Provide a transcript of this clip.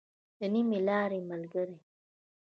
د نيمې لارې ملګری.